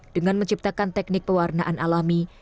dengan menciptakan teknik pewarnaan alami